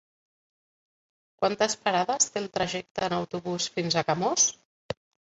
Quantes parades té el trajecte en autobús fins a Camós?